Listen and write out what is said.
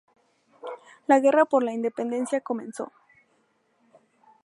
La guerra por la independencia comenzó.